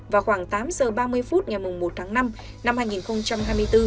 vào khoảng tám giờ ba mươi phút ngày một tháng năm năm hai nghìn hai mươi bốn